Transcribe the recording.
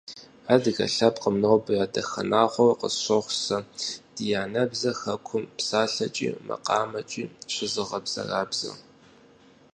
Адыгэ лъэпкъым нобэ я дахэнагъуэу къысщохъу сэ ди анэбзэр хэкум псалъэкӀи макъамэкӀи щызыгъэбзэрабзэ.